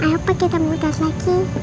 i hope kita mudah lagi